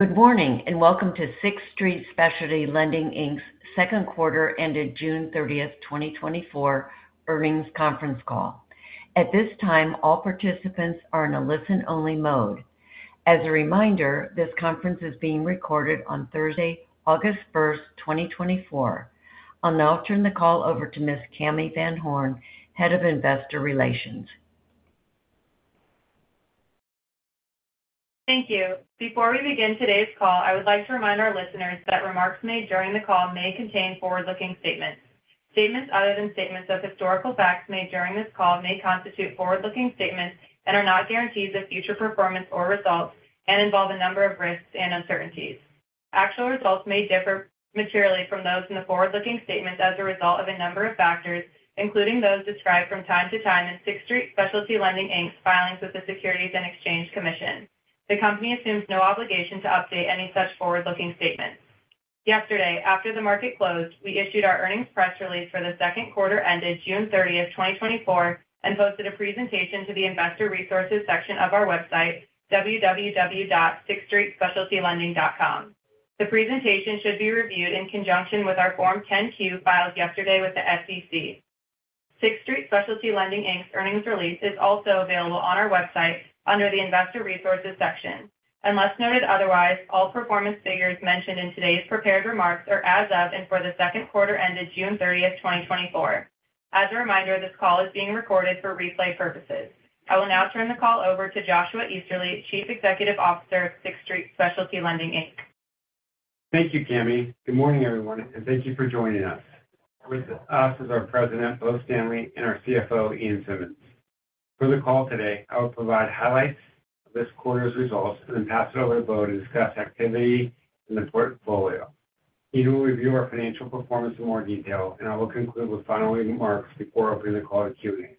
Good morning and welcome to Sixth Street Specialty Lending, Inc.'s Second Quarter Ended June 30th, 2024 Earnings Conference Call. At this time, all participants are in a listen-only mode. As a reminder, this conference is being recorded on Thursday, August 1st, 2024. I'll now turn the call over to Ms. Cami VanHorn, Head of Investor Relations. Thank you. Before we begin today's call, I would like to remind our listeners that remarks made during the call may contain forward-looking statements. Statements other than statements of historical facts made during this call may constitute forward-looking statements and are not guarantees of future performance or results and involve a number of risks and uncertainties. Actual results may differ materially from those in the forward-looking statements as a result of a number of factors, including those described from time to time in Sixth Street Specialty Lending, Inc.'s filings with the Securities and Exchange Commission. The company assumes no obligation to update any such forward-looking statements. Yesterday, after the market closed, we issued our earnings press release for the second quarter ended June 30th, 2024, and posted a presentation to the Investor Resources section of our website, www.sixthstreetspecialtylending.com. The presentation should be reviewed in conjunction with our Form 10-Q filed yesterday with the SEC. Sixth Street Specialty Lending, Inc.'s earnings release is also available on our website under the Investor Resources section. Unless noted otherwise, all performance figures mentioned in today's prepared remarks are as of and for the second quarter ended June 30th, 2024. As a reminder, this call is being recorded for replay purposes. I will now turn the call over to Joshua Easterly, Chief Executive Officer of Sixth Street Specialty Lending, Inc. Thank you, Cami. Good morning, everyone, and thank you for joining us. With us is our President, Bo Stanley, and our CFO, Ian Simmonds. For the call today, I will provide highlights of this quarter's results and then pass it over to Bo to discuss activity and the portfolio. Ian will review our financial performance in more detail, and I will conclude with final remarks before opening the call to Q&A.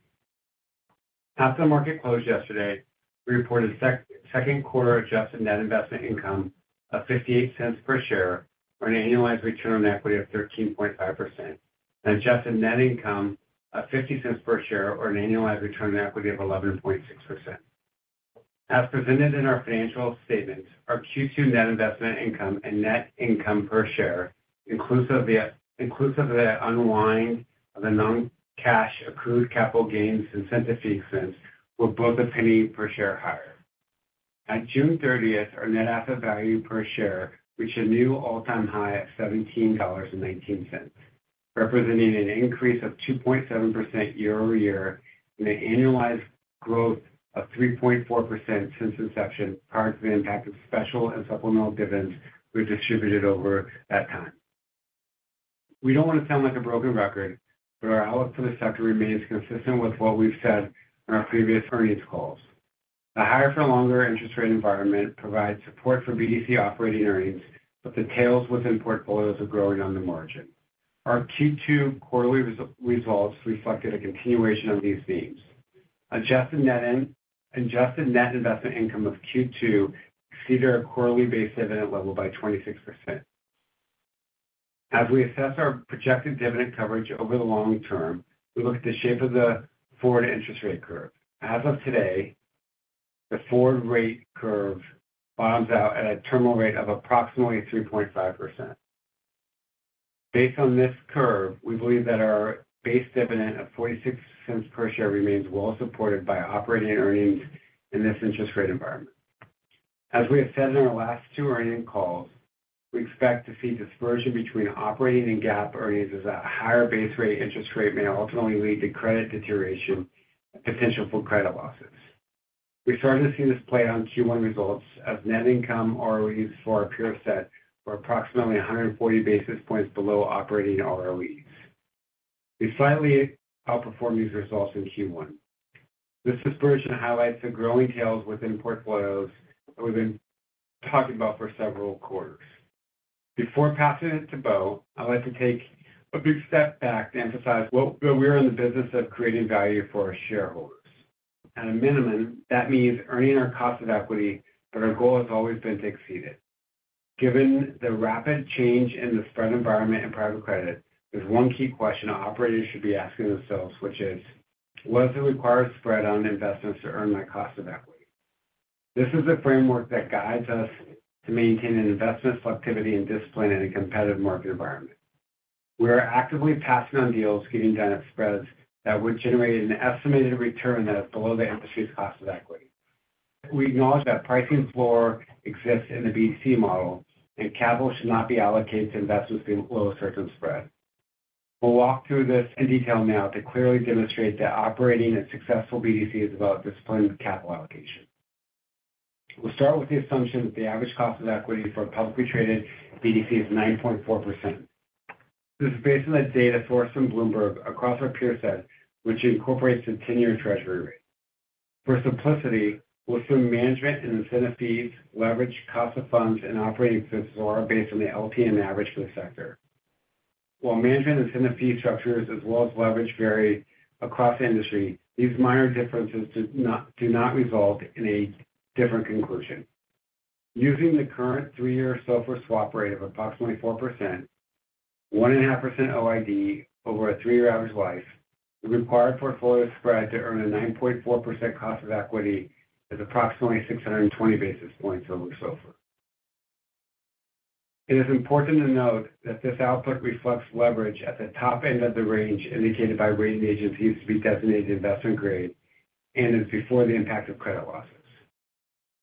After the market closed yesterday, we reported second quarter adjusted net investment income of $0.58 per share, or an annualized return on equity of 13.5%, and adjusted net income of $0.50 per share, or an annualized return on equity of 11.6%. As presented in our financial statements, our Q2 net investment income and net income per share, inclusive of the unwind of the non-cash accrued capital gains incentive fee expense, were both $0.01 per share higher. At June 30th, our net asset value per share reached a new all-time high of $17.19, representing an increase of 2.7% year-over-year and an annualized growth of 3.4% since inception, part of the impact of special and supplemental dividends we've distributed over that time. We don't want to sound like a broken record, but our outlook for the sector remains consistent with what we've said in our previous earnings calls. The higher-for-longer interest rate environment provides support for BDC operating earnings, but the tails within portfolios are growing on the margin. Our Q2 quarterly results reflected a continuation of these themes. Adjusted net investment income of Q2 exceeded our quarterly base dividend level by 26%. As we assess our projected dividend coverage over the long term, we look at the shape of the forward interest rate curve. As of today, the forward rate curve bottoms out at a terminal rate of approximately 3.5%. Based on this curve, we believe that our base dividend of $0.46 per share remains well supported by operating earnings in this interest rate environment. As we have said in our last two earnings calls, we expect to see dispersion between operating and GAAP earnings as a higher base rate interest rate may ultimately lead to credit deterioration and potential for credit losses. We started to see this play on Q1 results as net income ROEs for our peer set were approximately 140 basis points below operating ROEs. We slightly outperformed these results in Q1. This dispersion highlights the growing tails within portfolios that we've been talking about for several quarters. Before passing it to Bo, I'd like to take a big step back to emphasize that we are in the business of creating value for our shareholders. At a minimum, that means earning our cost of equity, but our goal has always been to exceed it. Given the rapid change in the spread environment and private credit, there's one key question operators should be asking themselves, which is, what is the required spread on investments to earn my cost of equity? This is a framework that guides us to maintain investment selectivity and discipline in a competitive market environment. We are actively passing on deals getting done at spreads that would generate an estimated return that is below the industry's cost of equity. We acknowledge that pricing floor exists in the BDC model, and capital should not be allocated to investments below a certain spread. We'll walk through this in detail now to clearly demonstrate that operating a successful BDC is about discipline and capital allocation. We'll start with the assumption that the average cost of equity for a publicly traded BDC is 9.4%. This is based on the data sourced from Bloomberg across our peer set, which incorporates the 10-year treasury rate. For simplicity, we'll assume management and incentive fees, leverage, cost of funds, and operating expenses are based on the LTM average for the sector. While management and incentive fee structures, as well as leverage, vary across the industry, these minor differences do not result in a different conclusion. Using the current three-year SOFR swap rate of approximately 4%, 1.5% OID over a three-year average life, the required portfolio spread to earn a 9.4% cost of equity is approximately 620 basis points over SOFR. It is important to note that this output reflects leverage at the top end of the range indicated by rating agencies to be designated Investment Grade and is before the impact of credit losses.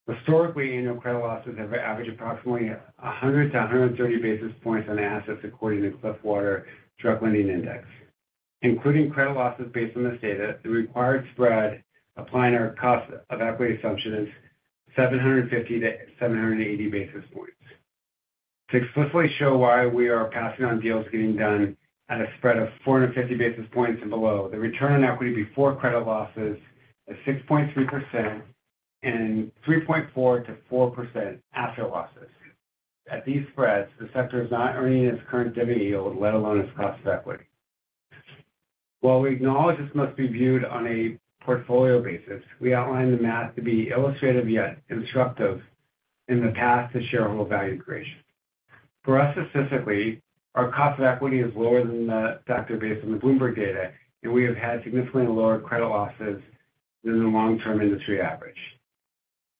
Historically, annual credit losses have averaged approximately 100-130 basis points on assets according to Cliffwater Direct Lending Index. Including credit losses based on this data, the required spread applying our Cost of Equity assumption is 750-780 basis points. To explicitly show why we are passing on deals getting done at a spread of 450 basis points and below, the return on equity before credit losses is 6.3% and 3.4%-4% after losses. At these spreads, the sector is not earning its current dividend yield, let alone its Cost of Equity. While we acknowledge this must be viewed on a portfolio basis, we outline the math to be illustrative yet instructive in the path to shareholder value creation. For us specifically, our cost of equity is lower than the factor based on the Bloomberg data, and we have had significantly lower credit losses than the long-term industry average.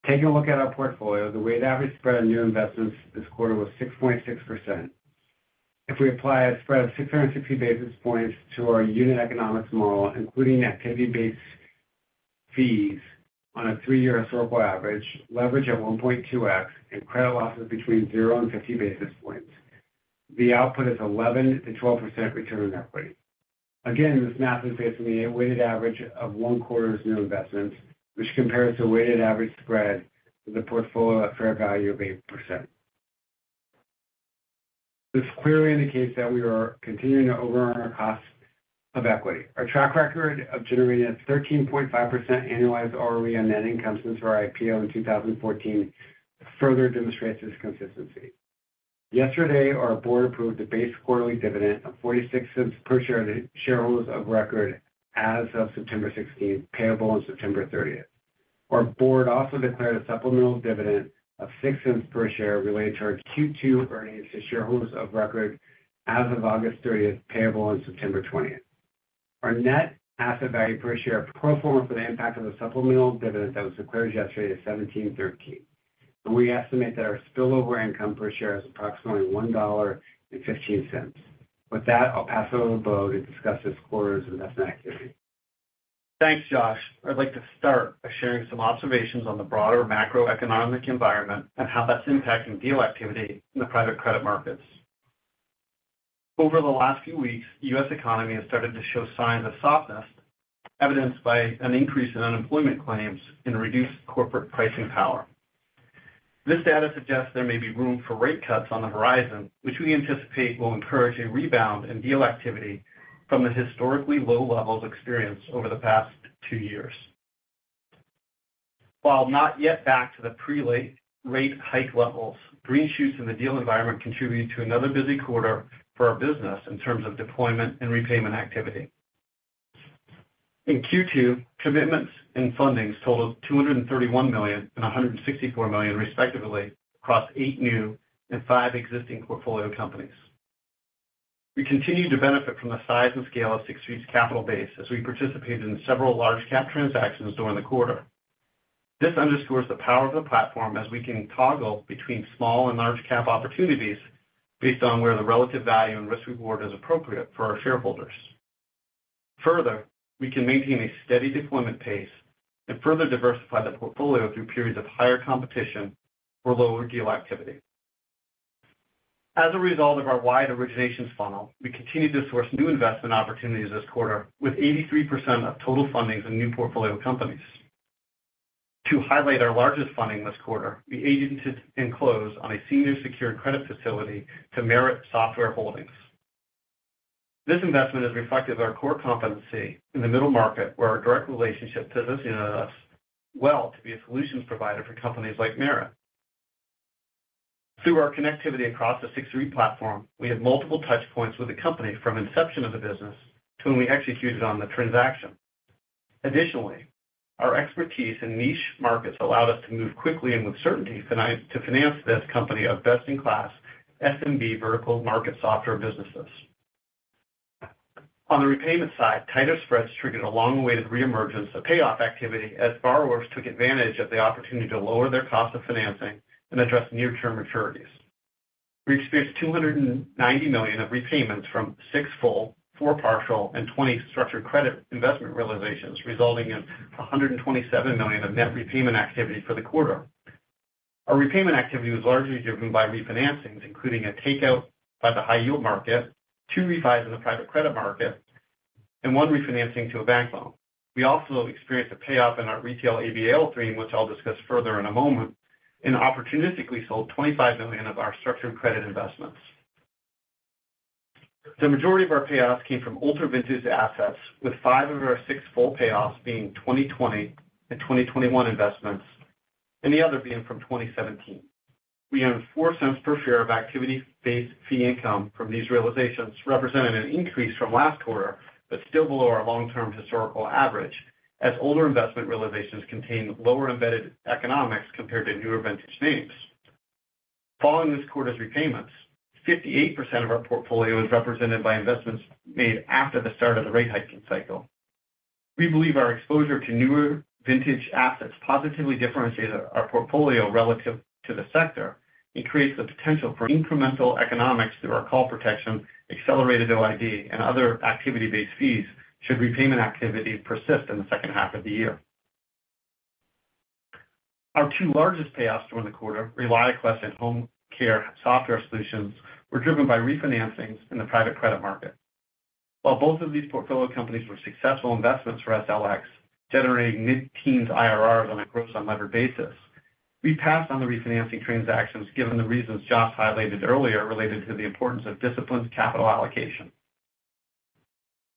Taking a look at our portfolio, the weighted average spread on new investments this quarter was 6.6%. If we apply a spread of 650 basis points to our unit economics model, including activity-based fees on a three-year historical average, leverage at 1.2x, and credit losses between 0 and 50 basis points, the output is 11%-12% return on equity. Again, this math is based on the weighted average of one quarter's new investments, which compares to a weighted average spread with a portfolio at fair value of 8%. This clearly indicates that we are continuing to overrun our cost of equity. Our track record of generating a 13.5% annualized ROE on net income since our IPO in 2014 further demonstrates this consistency. Yesterday, our board approved a base quarterly dividend of $0.46 per share to shareholders of record as of September 16th, payable on September 30th. Our board also declared a supplemental dividend of $0.06 per share related to our Q2 earnings to shareholders of record as of August 30th, payable on September 20th. Our net asset value per share pro forma for the impact of the supplemental dividend that was declared yesterday is $1,713. We estimate that our spillover income per share is approximately $1.15. With that, I'll pass it over to Bo to discuss this quarter's investment activity. Thanks, Josh. I'd like to start by sharing some observations on the broader macroeconomic environment and how that's impacting deal activity in the private credit markets. Over the last few weeks, the U.S. economy has started to show signs of softness, evidenced by an increase in unemployment claims and reduced corporate pricing power. This data suggests there may be room for rate cuts on the horizon, which we anticipate will encourage a rebound in deal activity from the historically low levels experienced over the past two years. While not yet back to the pre-rate hike levels, green shoots in the deal environment contribute to another busy quarter for our business in terms of deployment and repayment activity. In Q2, commitments and fundings totaled $231 million and $164 million, respectively, across eight new and five existing portfolio companies. We continue to benefit from the size and scale of Sixth Street's capital base as we participated in several large-cap transactions during the quarter. This underscores the power of the platform as we can toggle between small and large-cap opportunities based on where the relative value and risk-reward is appropriate for our shareholders. Further, we can maintain a steady deployment pace and further diversify the portfolio through periods of higher competition or lower deal activity. As a result of our wide originations funnel, we continue to source new investment opportunities this quarter with 83% of total fundings in new portfolio companies. To highlight our largest funding this quarter, we agented and closed on a senior secured credit facility to Merit Software Holdings. This investment is reflective of our core competency in the middle market, where our direct relationship positions us well to be a solutions provider for companies like Merit. Through our connectivity across the Sixth Street platform, we have multiple touch points with the company from inception of the business to when we executed on the transaction. Additionally, our expertise in niche markets allowed us to move quickly and with certainty to finance this company of best-in-class SMB vertical market software businesses. On the repayment side, tighter spreads triggered a long-awaited reemergence of payoff activity as borrowers took advantage of the opportunity to lower their cost of financing and address near-term maturities. We experienced $290 million of repayments from 6 full, 4 partial, and 20 structured credit investment realizations, resulting in $127 million of net repayment activity for the quarter. Our repayment activity was largely driven by refinancings, including a takeout by the high-yield market, two rebuys in the private credit market, and one refinancing to a bank loan. We also experienced a payoff in our Retail ABL III, which I'll discuss further in a moment, and opportunistically sold $25 million of our structured credit investments. The majority of our payoffs came from older vintage assets, with five of our six full payoffs being 2020 and 2021 investments, and the other being from 2017. We earned $0.04 per share of activity-based fee income from these realizations, representing an increase from last quarter, but still below our long-term historical average, as older investment realizations contain lower embedded economics compared to newer vintage names. Following this quarter's repayments, 58% of our portfolio is represented by investments made after the start of the rate hiking cycle. We believe our exposure to newer vintage assets positively differentiates our portfolio relative to the sector and creates the potential for incremental economics through our call protection, accelerated OID, and other activity-based fees should repayment activity persist in the second half of the year. Our two largest payoffs during the quarter, ReliQuest and Homecare Software Solutions, were driven by refinancings in the private credit market. While both of these portfolio companies were successful investments for SLX, generating mid-teens IRRs on a gross unlevered basis, we passed on the refinancing transactions given the reasons Josh highlighted earlier related to the importance of disciplined capital allocation.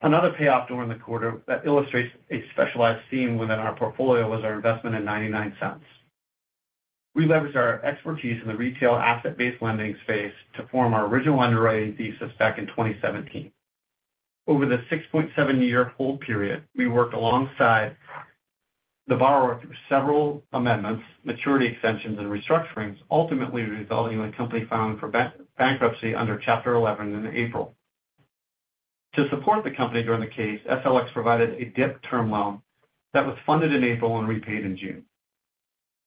Another payoff during the quarter that illustrates a specialized theme within our portfolio was our investment in 99 Cents Only. We leveraged our expertise in the retail asset-based lending space to form our original underwriting thesis back in 2017. Over the 6.7-year hold period, we worked alongside the borrower through several amendments, maturity extensions, and restructurings, ultimately resulting in the company filing for bankruptcy under Chapter 11 in April. To support the company during the case, SLX provided a DIP term loan that was funded in April and repaid in June.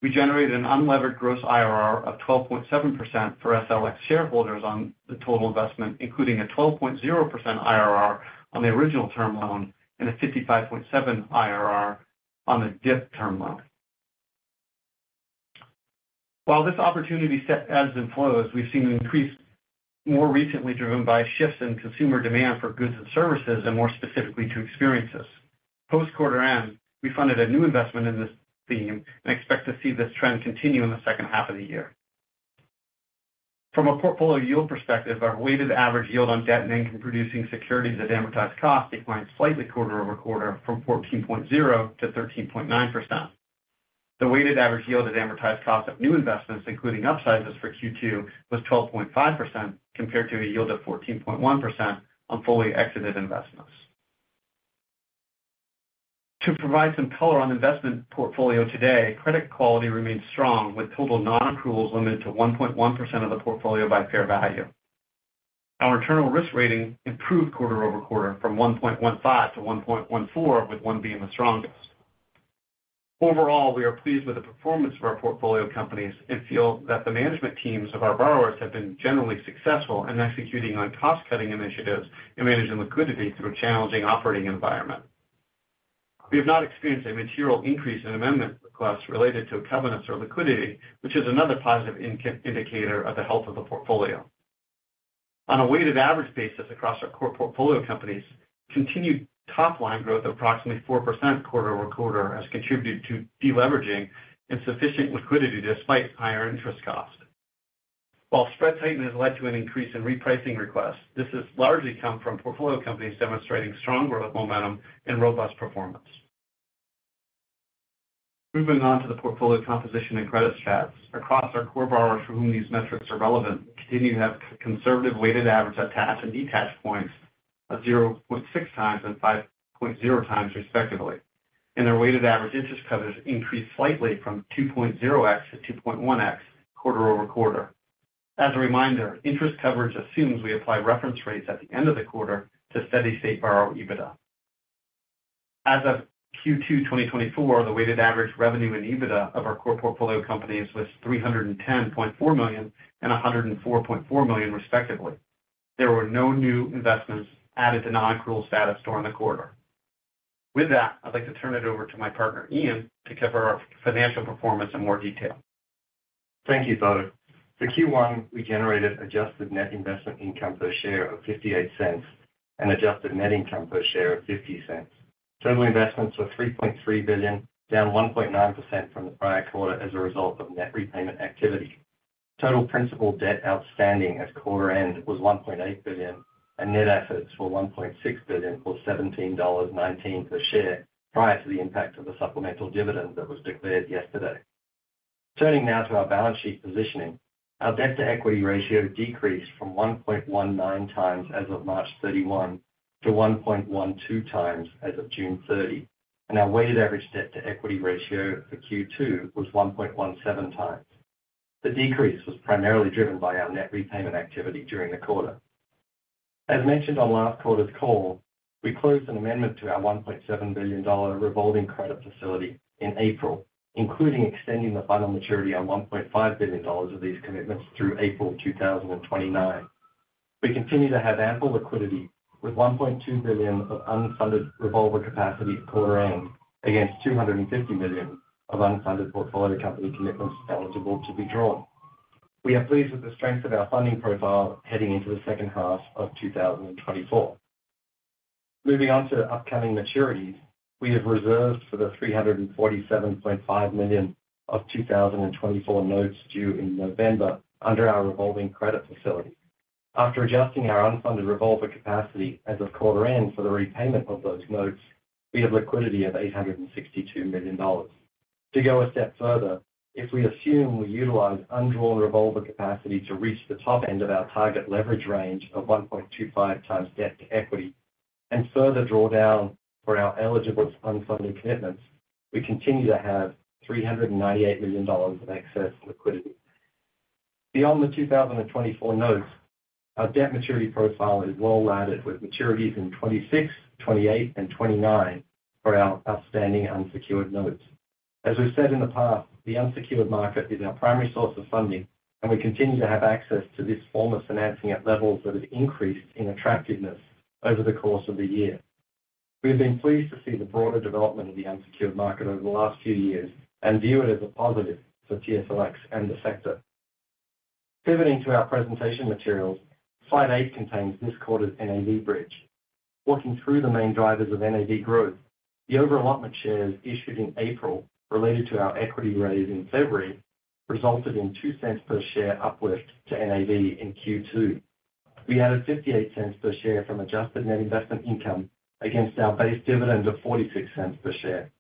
We generated an unlevered gross IRR of 12.7% for SLX shareholders on the total investment, including a 12.0% IRR on the original term loan and a 55.7% IRR on the DIP term loan. While this opportunity set ebbs and flows, we've seen an increase more recently driven by shifts in consumer demand for goods and services, and more specifically to experiences. Post-quarter end, we funded a new investment in this theme and expect to see this trend continue in the second half of the year. From a portfolio yield perspective, our weighted average yield on debt and income-producing securities at amortized cost declined slightly quarter-over-quarter from 14.0% to 13.9%. The weighted average yield at amortized cost of new investments, including upsizes for Q2, was 12.5% compared to a yield of 14.1% on fully exited investments. To provide some color on the investment portfolio today, credit quality remained strong, with total non-accruals limited to 1.1% of the portfolio by fair value. Our internal risk rating improved quarter-over-quarter from 1.15 to 1.14, with 1 being the strongest. Overall, we are pleased with the performance of our portfolio companies and feel that the management teams of our borrowers have been generally successful in executing on cost-cutting initiatives and managing liquidity through a challenging operating environment. We have not experienced a material increase in amendment requests related to covenants or liquidity, which is another positive indicator of the health of the portfolio. On a weighted average basis across our core portfolio companies, continued top-line growth of approximately 4% quarter-over-quarter has contributed to deleveraging and sufficient liquidity despite higher interest costs. While spread tightening has led to an increase in repricing requests, this has largely come from portfolio companies demonstrating strong growth momentum and robust performance. Moving on to the portfolio composition and credit stats, across our core borrowers for whom these metrics are relevant, we continue to have conservative weighted average attach and detach points of 0.6x and 5.0x, respectively, and our weighted average interest coverage increased slightly from 2.0x to 2.1x quarter-over-quarter. As a reminder, interest coverage assumes we apply reference rates at the end of the quarter to steady-state borrow EBITDA. As of Q2 2024, the weighted average revenue in EBITDA of our core portfolio companies was $310.4 million and $104.4 million, respectively. There were no new investments added to non-acccrual status during the quarter. With that, I'd like to turn it over to my partner, Ian, to cover our financial performance in more detail. Thank you, Bo. For Q1, we generated adjusted net investment income per share of $0.58 and adjusted net income per share of $0.50. Total investments were $3.3 billion, down 1.9% from the prior quarter as a result of net repayment activity. Total principal debt outstanding at quarter end was $1.8 billion, and net assets were $1.6 billion, or $17.19 per share, prior to the impact of the supplemental dividend that was declared yesterday. Turning now to our balance sheet positioning, our debt-to-equity ratio decreased from 1.19 times as of March 31 to 1.12 times as of June 30, and our weighted average debt-to-equity ratio for Q2 was 1.17 times. The decrease was primarily driven by our net repayment activity during the quarter. As mentioned on last quarter's call, we closed an amendment to our $1.7 billion revolving credit facility in April, including extending the final maturity on $1.5 billion of these commitments through April 2029. We continue to have ample liquidity, with $1.2 billion of unfunded revolving capacity at quarter end against $250 million of unfunded portfolio company commitments eligible to be drawn. We are pleased with the strength of our funding profile heading into the second half of 2024. Moving on to upcoming maturities, we have reserved for the $347.5 million of 2024 notes due in November under our revolving credit facility. After adjusting our unfunded revolving capacity as of quarter end for the repayment of those notes, we have liquidity of $862 million. To go a step further, if we assume we utilize undrawn revolving capacity to reach the top end of our target leverage range of 1.25x debt-to-equity and further draw down for our eligible unfunded commitments, we continue to have $398 million of excess liquidity. Beyond the 2024 notes, our debt maturity profile is well-laddered with maturities in 2026, 2028, and 2029 for our outstanding unsecured notes. As we've said in the past, the unsecured market is our primary source of funding, and we continue to have access to this form of financing at levels that have increased in attractiveness over the course of the year. We have been pleased to see the broader development of the unsecured market over the last few years and view it as a positive for TSLX and the sector. Pivoting to our presentation materials, Slide 8 contains this quarter's NAV bridge. Walking through the main drivers of NAV growth, the overallotment shares issued in April related to our equity raise in February resulted in $0.02 per share uplift to NAV in Q2. We added $0.58 per share from adjusted net investment income against our base dividend of $0.46 per share.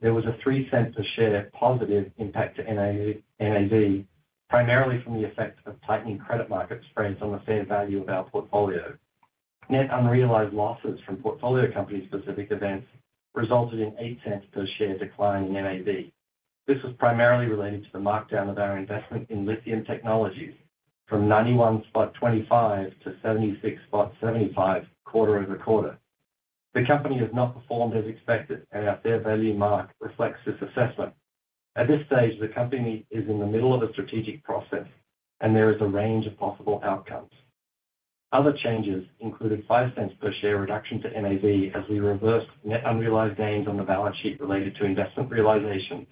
There was a $0.03 per share positive impact to NAV, primarily from the effect of tightening credit market spreads on the fair value of our portfolio. Net unrealized losses from portfolio company-specific events resulted in $0.08 per share decline in NAV. This was primarily related to the markdown of our investment in Lithium Technologies from 91.25 to 76.75 quarter-over-quarter. The company has not performed as expected, and our fair value mark reflects this assessment. At this stage, the company is in the middle of a strategic process, and there is a range of possible outcomes. Other changes included $0.05 per share reduction to NAV as we reversed net unrealized gains on the balance sheet related to investment realizations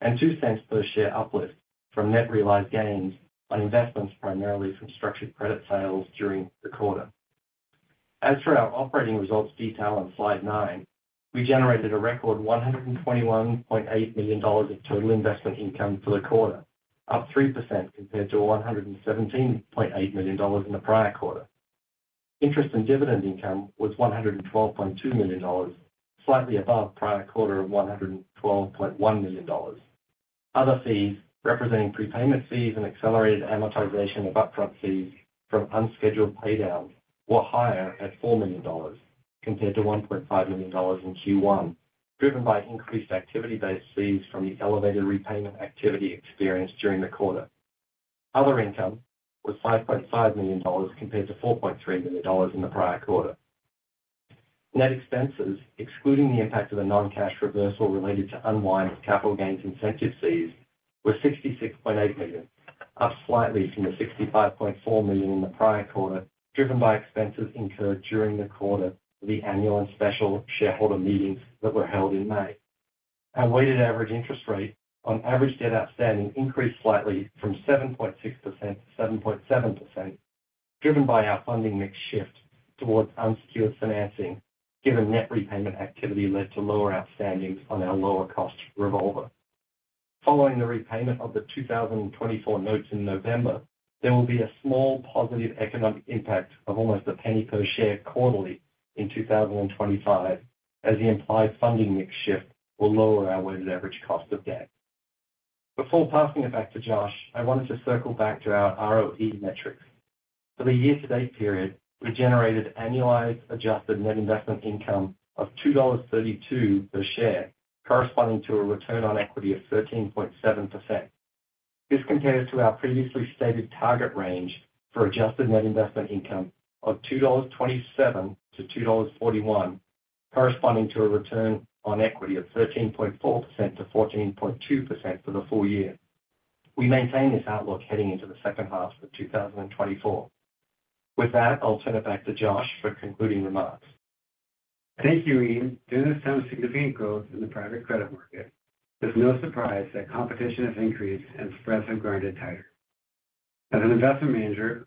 and $0.02 per share uplift from net realized gains on investments primarily from structured credit sales during the quarter. As for our operating results detail on Slide 9, we generated a record $121.8 million of total investment income for the quarter, up 3% compared to $117.8 million in the prior quarter. Interest and dividend income was $112.2 million, slightly above prior quarter of $112.1 million. Other fees, representing prepayment fees and accelerated amortization of upfront fees from unscheduled paydown, were higher at $4 million compared to $1.5 million in Q1, driven by increased activity-based fees from the elevated repayment activity experienced during the quarter. Other income was $5.5 million compared to $4.3 million in the prior quarter. Net expenses, excluding the impact of the non-cash reversal related to unwind capital gains incentive fees, were $66.8 million, up slightly from the $65.4 million in the prior quarter, driven by expenses incurred during the quarter of the annual and special shareholder meetings that were held in May. Our weighted average interest rate on average debt outstanding increased slightly from 7.6% to 7.7%, driven by our funding mix shift towards unsecured financing, given net repayment activity led to lower outstandings on our lower-cost revolver. Following the repayment of the 2024 notes in November, there will be a small positive economic impact of almost a penny per share quarterly in 2025, as the implied funding mix shift will lower our weighted average cost of debt. Before passing it back to Josh, I wanted to circle back to our ROE metrics. For the year-to-date period, we generated annualized adjusted net investment income of $2.32 per share, corresponding to a return on equity of 13.7%. This compares to our previously stated target range for adjusted net investment income of $2.27-$2.41, corresponding to a return on equity of 13.4%-14.2% for the full year. We maintain this outlook heading into the second half of 2024. With that, I'll turn it back to Josh for concluding remarks. Thank you, Ian. During this time of significant growth in the private credit market, it's no surprise that competition has increased and spreads have grinded tighter. As an investment manager,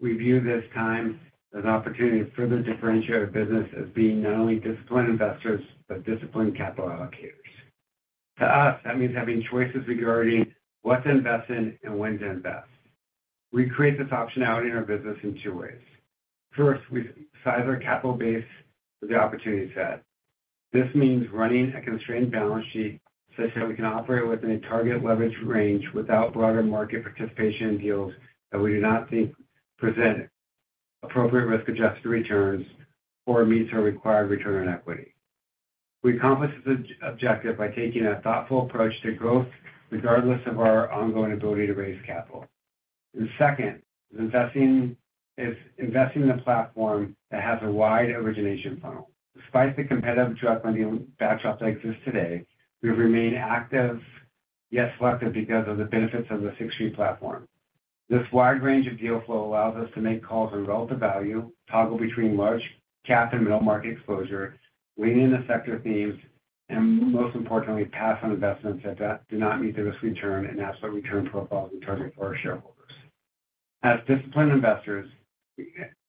we view this time as an opportunity to further differentiate our business as being not only disciplined investors but disciplined capital allocators. To us, that means having choices regarding what to invest in and when to invest. We create this optionality in our business in two ways. First, we size our capital base with the opportunity set. This means running a constrained balance sheet such that we can operate within a target leverage range without broader market participation in deals that we do not think present appropriate risk-adjusted returns or meet our required return on equity. We accomplish this objective by taking a thoughtful approach to growth regardless of our ongoing ability to raise capital. And second, investing in a platform that has a wide origination funnel. Despite the competitive direct lending backdrop that exists today, we have remained active, yet selective because of the benefits of the Sixth Street Platform. This wide range of deal flow allows us to make calls on relative value, toggle between large, cap, and middle market exposure, weigh in the sector themes, and most importantly, pass on investments that do not meet the risk return and absolute return profiles we target for our shareholders. As disciplined investors,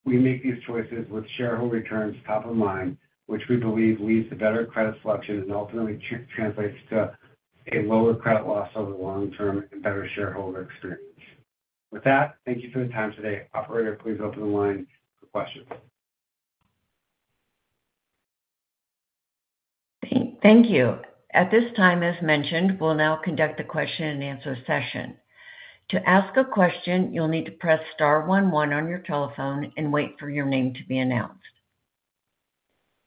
we make these choices with shareholder returns top of mind, which we believe leads to better credit selection and ultimately translates to a lower credit loss over the long term and better shareholder experience. With that, thank you for your time today. Operator, please open the line for questions. Thank you. At this time, as mentioned, we'll now conduct the question-and-answer session. To ask a question, you'll need to press star 11 on your telephone and wait for your name to be announced.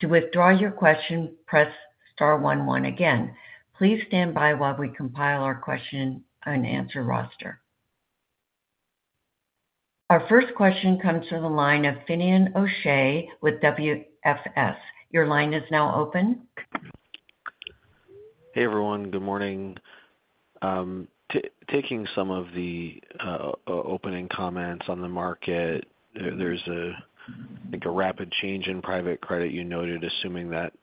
To withdraw your question, press star 11 again. Please stand by while we compile our question-and-answer roster. Our first question comes from the line of Finian O'Shea with WFS. Your line is now open. Hey, everyone. Good morning. Taking some of the opening comments on the market, there's a rapid change in private credit you noted, assuming that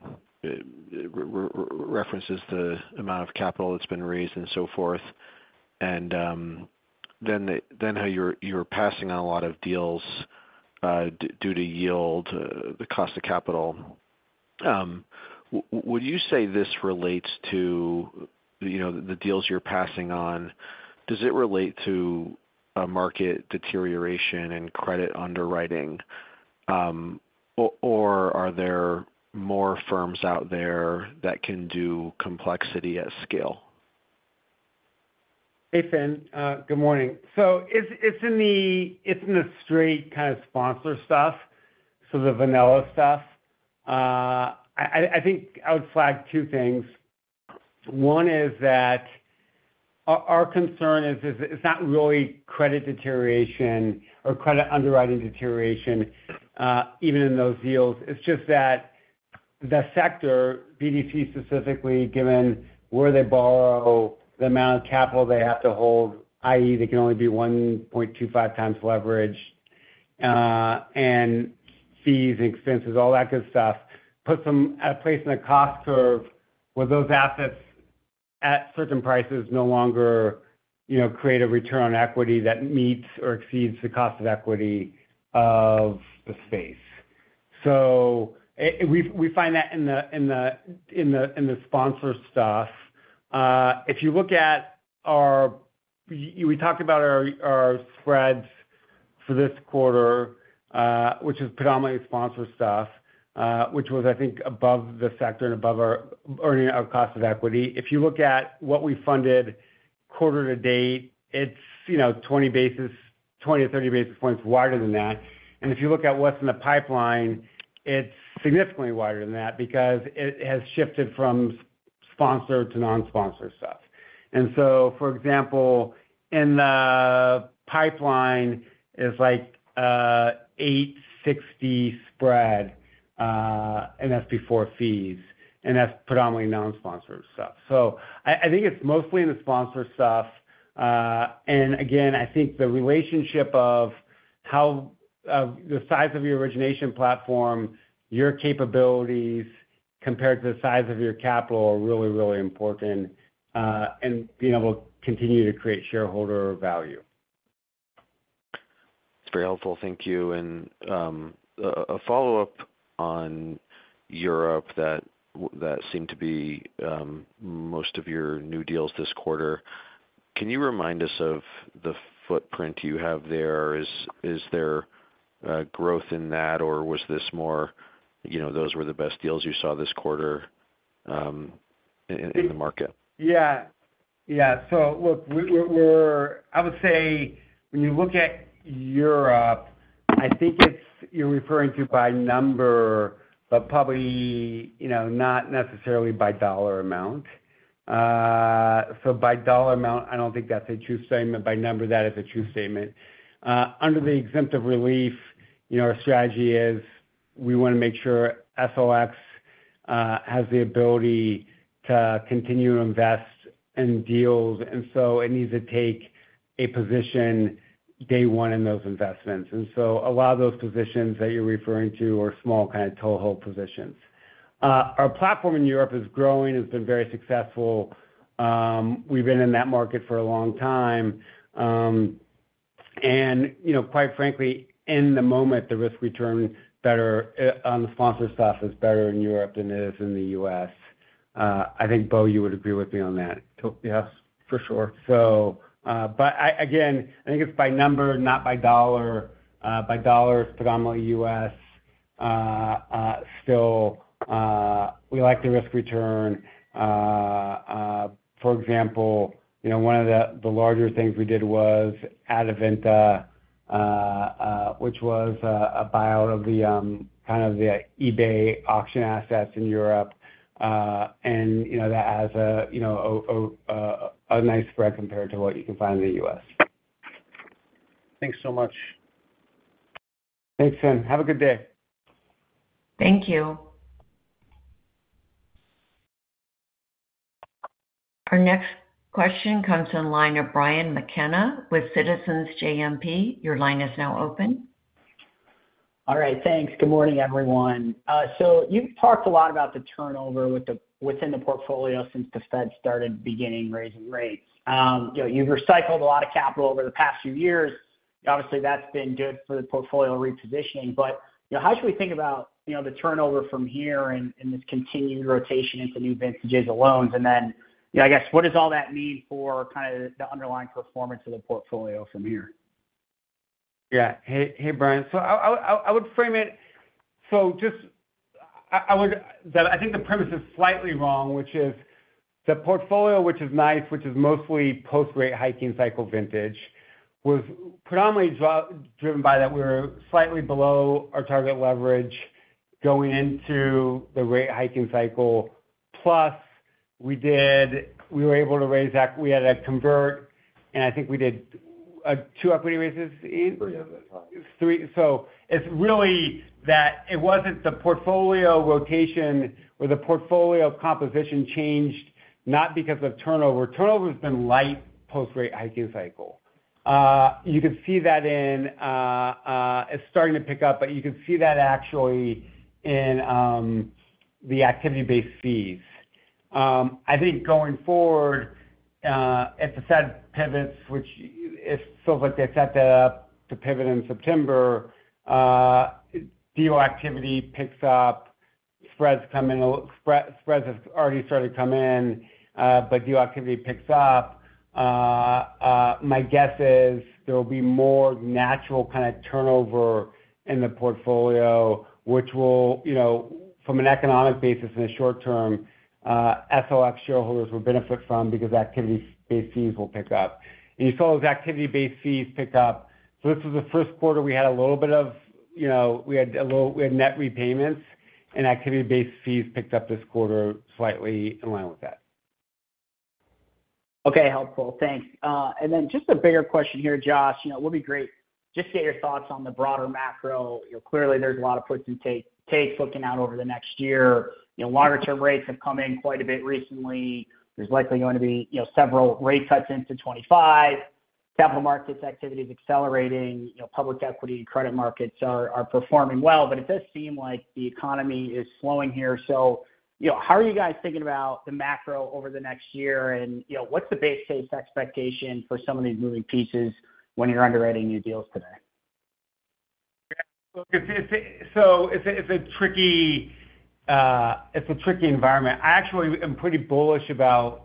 references the amount of capital that's been raised and so forth, and then how you're passing on a lot of deals due to yield, the cost of capital. Would you say this relates to the deals you're passing on? Does it relate to market deterioration and credit underwriting, or are there more firms out there that can do complexity at scale? Hey, Finn. Good morning. So it's in the straight kind of sponsor stuff, so the vanilla stuff. I think I would flag two things. One is that our concern is it's not really credit deterioration or credit underwriting deterioration, even in those deals. It's just that the sector, BDC specifically, given where they borrow, the amount of capital they have to hold, i.e., they can only be 1.25x leverage, and fees and expenses, all that good stuff, puts them at a place in the cost curve where those assets at certain prices no longer create a return on equity that meets or exceeds the cost of equity of the space. So we find that in the sponsor stuff. If you look at our—we talked about our spreads for this quarter, which is predominantly sponsor stuff, which was, I think, above the sector and above our earning our cost of equity. If you look at what we funded quarter to date, it's 20-30 basis points wider than that. And if you look at what's in the pipeline, it's significantly wider than that because it has shifted from sponsor to non-sponsor stuff. And so, for example, in the pipeline, it's like 8.60 spread, and that's before fees, and that's predominantly non-sponsored stuff. So I think it's mostly in the sponsor stuff. And again, I think the relationship of the size of your origination platform, your capabilities compared to the size of your capital are really, really important in being able to continue to create shareholder value. That's very helpful. Thank you. A follow-up on Europe that seemed to be most of your new deals this quarter. Can you remind us of the footprint you have there? Is there growth in that, or was this more, those were the best deals you saw this quarter in the market? Yeah. Yeah. So look, I would say when you look at Europe, I think you're referring to by number, but probably not necessarily by dollar amount. So by dollar amount, I don't think that's a true statement. By number, that is a true statement. Under the exemptive relief, our strategy is we want to make sure Sixth has the ability to continue to invest in deals, and so it needs to take a position day one in those investments. And so a lot of those positions that you're referring to are small kind of toehold positions. Our platform in Europe is growing. It's been very successful. We've been in that market for a long time. And quite frankly, in the moment, the risk return better on the sponsor stuff is better in Europe than it is in the U.S. I think, Bo, you would agree with me on that. Yes, for sure. But again, I think it's by number, not by dollar. By dollar, it's predominantly U.S. Still, we like the risk return. For example, one of the larger things we did was Adevinta, which was a buyout of kind of the eBay auction assets in Europe, and that has a nice spread compared to what you can find in the U.S. Thanks so much. Thanks, Finn. Have a good day. Thank you. Our next question comes from Brian McKenna with Citizens JMP. Your line is now open. All right. Thanks. Good morning, everyone. So you've talked a lot about the turnover within the portfolio since the Fed started beginning raising rates. You've recycled a lot of capital over the past few years. Obviously, that's been good for the portfolio repositioning. But how should we think about the turnover from here and this continued rotation into new vintages of loans? And then, I guess, what does all that mean for kind of the underlying performance of the portfolio from here? Yeah. Hey, Brian. So I would frame it so I think the premise is slightly wrong, which is the portfolio, which is nice, which is mostly post-rate hiking cycle vintage, was predominantly driven by that we were slightly below our target leverage going into the rate hiking cycle. Plus, we were able to raise that. We had a convert, and I think we did two equity raises, Ian? Three of them. Three. So it's really that it wasn't the portfolio rotation or the portfolio composition changed, not because of turnover. Turnover has been light post-rate hiking cycle. You can see that in it's starting to pick up, but you can see that actually in the activity-based fees. I think going forward, if the Fed pivots, which it feels like they set that up to pivot in September, deal activity picks up, spreads have already started to come in, but deal activity picks up. My guess is there will be more natural kind of turnover in the portfolio, which will, from an economic basis in the short term, our shareholders will benefit from because activity-based fees will pick up. And you saw those activity-based fees pick up. This was the first quarter we had a little bit of net repayments, and activity-based fees picked up this quarter slightly in line with that. Okay. Helpful. Thanks. Then just a bigger question here, Josh. It would be great just to get your thoughts on the broader macro. Clearly, there's a lot of puts and takes looking out over the next year. Longer-term rates have come in quite a bit recently. There's likely going to be several rate cuts into 2025. Capital markets activity is accelerating. Public equity and credit markets are performing well, but it does seem like the economy is slowing here. So how are you guys thinking about the macro over the next year, and what's the base case expectation for some of these moving pieces when you're underwriting new deals today? Yeah. So it's a tricky environment. I actually am pretty bullish about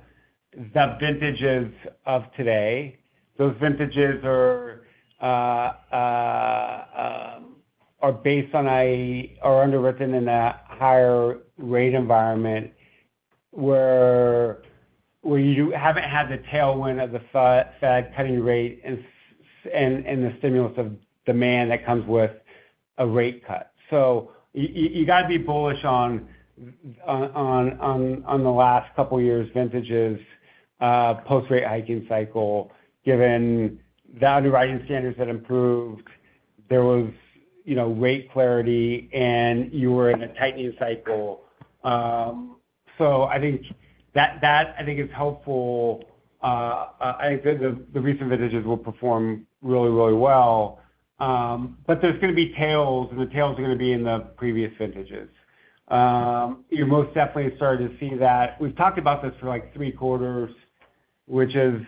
the vintages of today. Those vintages are based on or underwritten in a higher rate environment where you haven't had the tailwind of the Fed cutting rate and the stimulus of demand that comes with a rate cut. So you got to be bullish on the last couple of years' vintages post-rate hiking cycle, given the underwriting standards that improved. There was rate clarity, and you were in a tightening cycle. So I think that, I think, is helpful. I think the recent vintages will perform really, really well. But there's going to be tails, and the tails are going to be in the previous vintages. You're most definitely starting to see that. We've talked about this for like three quarters, which is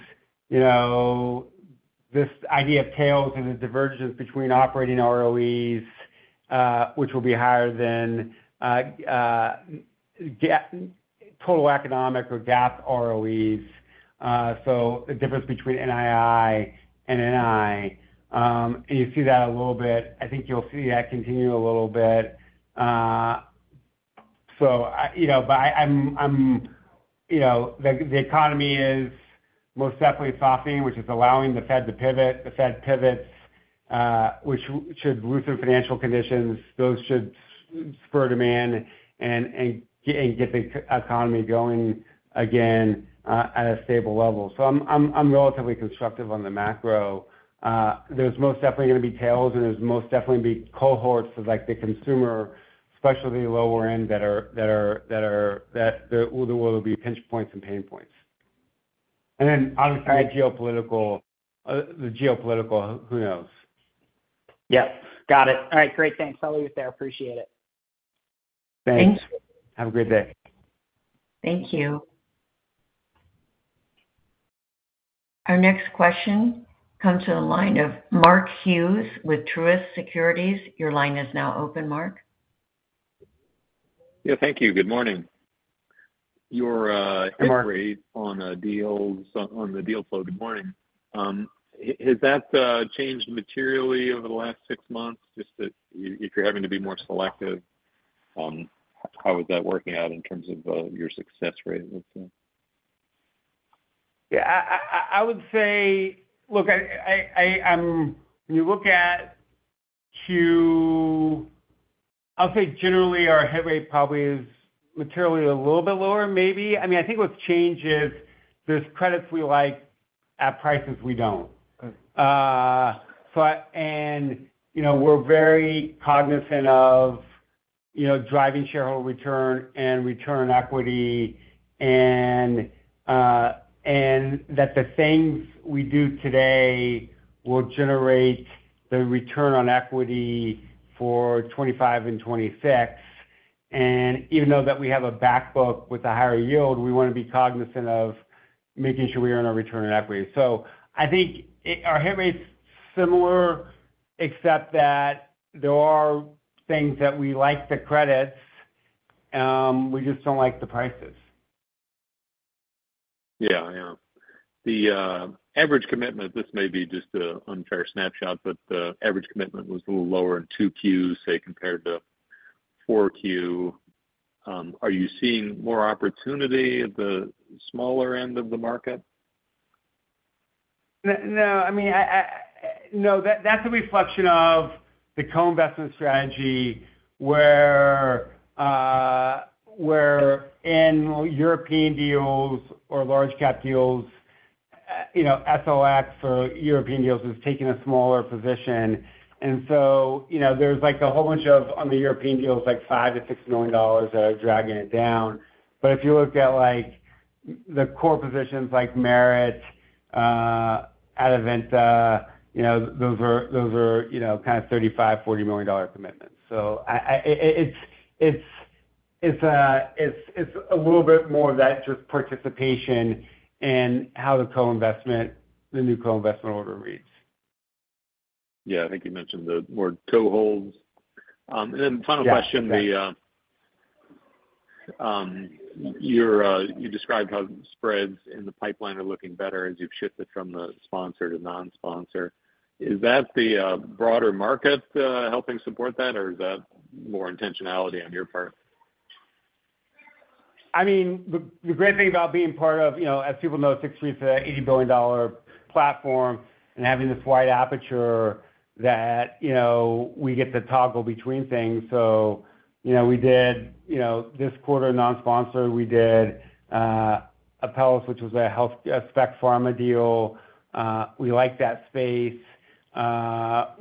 this idea of tails and the divergence between operating ROEs, which will be higher than total economic or GAAP ROEs, so the difference between NII and NI. And you see that a little bit. I think you'll see that continue a little bit. So, but I mean the economy is most definitely softening, which is allowing the Fed to pivot. The Fed pivots, which should loosen financial conditions. Those should spur demand and get the economy going again at a stable level. So I'm relatively constructive on the macro. There's most definitely going to be tails, and there's most definitely going to be cohorts of the consumer, especially the lower end, that will be pinch points and pain points. And then, obviously, the geopolitical, who knows? Yep. Got it. All right. Great. Thanks. I'll leave it there. Appreciate it. Thanks. Thanks. Have a great day. Thank you. Our next question comes from the line of Mark Hughes with Truist Securities. Your line is now open, Mark. Yeah. Thank you. Good morning. You're integrated on the deal flow. Good morning. Has that changed materially over the last six months? Just if you're having to be more selective, how is that working out in terms of your success rate? Yeah. I would say, look, when you look at Q, I'll say generally our hit rate probably is materially a little bit lower, maybe. I mean, I think what's changed is there's credits we like at prices we don't. And we're very cognizant of driving shareholder return and return on equity and that the things we do today will generate the return on equity for 2025 and 2026. And even though that we have a backbook with a higher yield, we want to be cognizant of making sure we earn our return on equity. So I think our hit rate's similar, except that there are things that we like the credits. We just don't like the prices. Yeah. Yeah. The average commitment, this may be just an unfair snapshot, but the average commitment was a little lower in 2Q, say, compared to 4Q. Are you seeing more opportunity at the smaller end of the market? No. I mean, no, that's a reflection of the co-investment strategy where in European deals or large-cap deals, Sixth or European deals is taking a smaller position. And so there's a whole bunch of, on the European deals, like $5-$6 million that are dragging it down. But if you look at the core positions like Merit, Adevinta, those are kind of $35-$40 million commitments. So it's a little bit more of that just participation in how the co-investment, the new co-investment order reads. Yeah. I think you mentioned the word toeholds. And then final question. Yeah. You described how spreads in the pipeline are looking better as you've shifted from the sponsor to non-sponsor. Is that the broader market helping support that, or is that more intentionality on your part? I mean, the great thing about being part of, as people know, Sixth Street's an $80 billion platform and having this wide aperture that we get to toggle between things. So we did this quarter non-sponsor. We did Apellis, which was a SpecPharma deal. We liked that space. I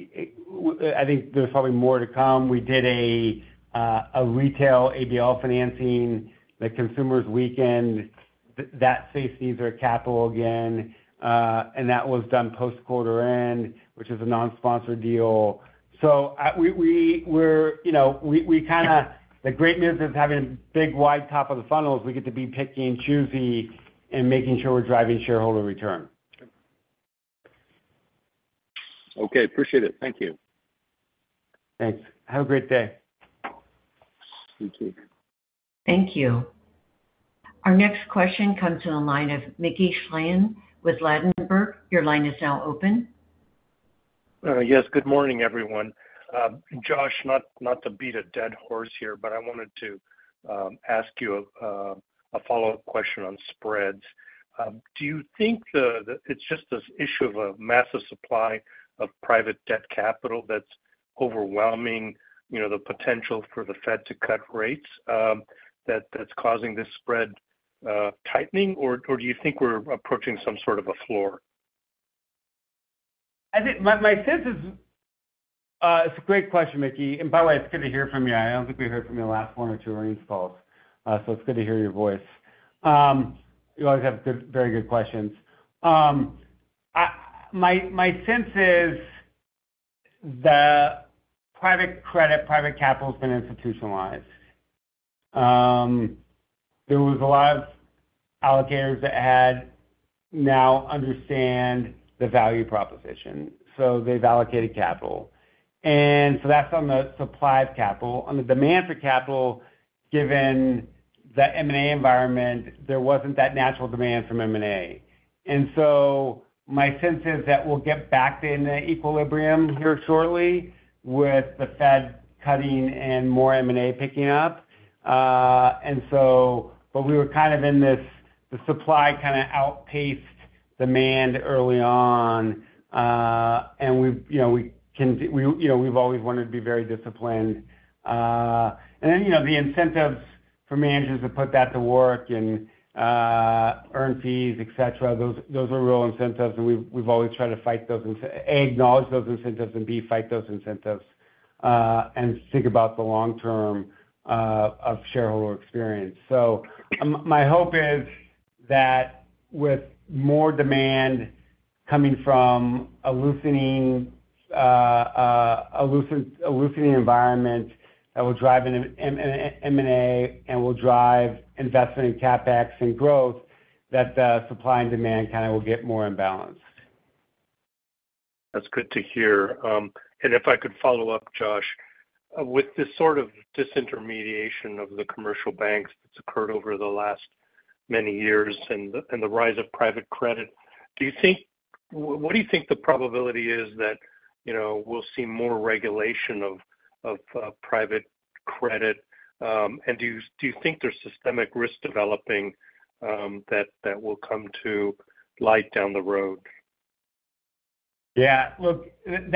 think there's probably more to come. We did a Retail ABL financing, the consumer's weekend. That space needs our capital again. And that was done post-quarter end, which is a non-sponsor deal. So we kind of the great news is having a big wide top of the funnel is we get to be picky and choosy and making sure we're driving shareholder return. Okay. Appreciate it. Thank you. Thanks. Have a great day. You too. Thank you. Our next question comes from the line of Mickey Schleien with Ladenburg Thalmann. Your line is now open. Yes. Good morning, everyone. Josh, not to beat a dead horse here, but I wanted to ask you a follow-up question on spreads. Do you think it's just this issue of a massive supply of private debt capital that's overwhelming the potential for the Fed to cut rates that's causing this spread tightening, or do you think we're approaching some sort of a floor? My sense is it's a great question, Mickey. And by the way, it's good to hear from you. I don't think we heard from you the last one or two or any calls. So it's good to hear your voice. You always have very good questions. My sense is that private credit, private capital has been institutionalized. There was a lot of allocators that had now understand the value proposition. So they've allocated capital. And so that's on the supply of capital. On the demand for capital, given the M&A environment, there wasn't that natural demand from M&A. And so my sense is that we'll get back to an equilibrium here shortly with the Fed cutting and more M&A picking up. But we were kind of in this the supply kind of outpaced demand early on, and we've always wanted to be very disciplined. Then the incentives for managers to put that to work and earn fees, etc., those are real incentives. We've always tried to fight those and A, acknowledge those incentives and B, fight those incentives and think about the long term of shareholder experience. My hope is that with more demand coming from a loosening environment that will drive an M&A and will drive investment in CapEx and growth, that the supply and demand kind of will get more in balance. That's good to hear. And if I could follow up, Josh, with this sort of disintermediation of the commercial banks that's occurred over the last many years and the rise of private credit, what do you think the probability is that we'll see more regulation of private credit? And do you think there's systemic risk developing that will come to light down the road? Yeah. Look, I